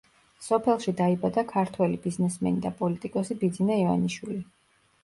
სოფელში დაიბადა ქართველი ბიზნესმენი და პოლიტიკოსი ბიძინა ივანიშვილი.